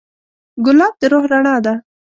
ګلاب د روح رڼا ده.